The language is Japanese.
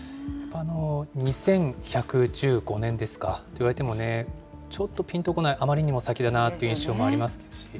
２１１５年ですか、といわれてもね、ちょっとぴんとこない、あまりにも先だなという印象もあります。